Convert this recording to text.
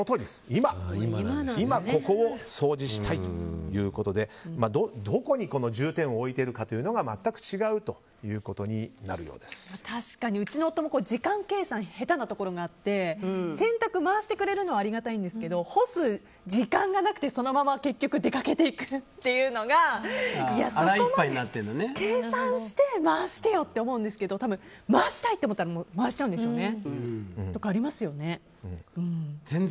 今ここを掃除したいということでどこに、この重点を置いているかというのが確かにうちの夫も時間計算下手なところがあって選択を回してくれるのはありがたいんですけど干す時間がなくて、そのまま結局出かけていくっていうのがそこまで計算して回してって思うんですけど回したいと思ったら回しちゃうんでしょうね。